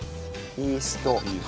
イースト。